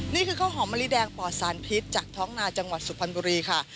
นี่คือข้าวหอมมะลิแดงปอดสารพิษจากท้องนาจังหวัดสุพรรณบุรีค่ะ